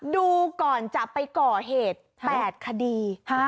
ดูก่อนจะไปก่อเหตุ๘คดี